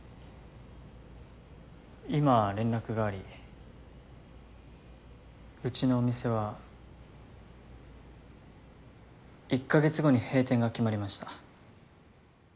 今連絡がありうちのお店は１か月後に閉店が決まりました。